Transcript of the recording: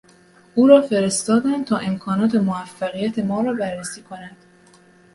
او را فرستادند تا امکانات موفقیت ما را بررسی کند.